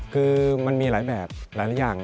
คือมันมีหลายแบบหลายอย่าง